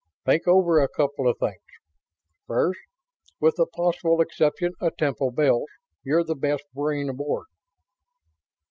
"Think over a couple of things. First, with the possible exception of Temple Bells, you're the best brain aboard."